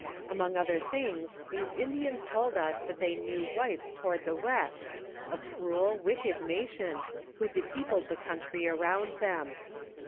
Among other things these Indians told us that they knew whites toward the west, a cruel, wicked nation, who depeopled the country around them.